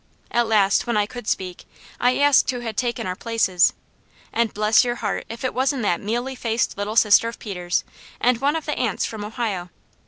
At last, when I could speak, I asked who had taken our places, and bless your heart if it wasn't that mealy faced little sister of Peter's, and one of the aunts from Ohio.